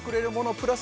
プラス